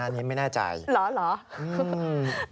แต่คือที่แน่ผมไม่มีหมวก